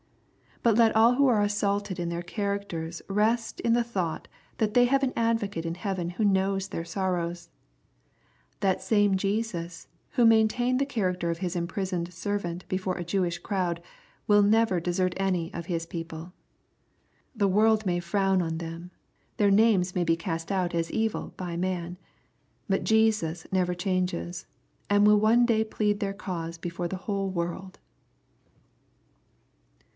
But let all who are assaulted in their characters rest in the thought that they have an Advocate in heaven who knows their sorrows. That same Jesus who main tained the character of His imprisoned servant before a Jewish crowd, will never desert any of His people. The world may frown on them. Their names may be cast out as evil by man. But Jesus never changes, and will one day plead their cause before the whole world.